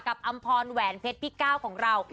กับอำพรแวร์เป็ดพี่ก้าวของเรา